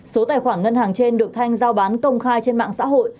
số tài khoản ngân hàng trên được thanh giao bán công khai trên mạng xã hội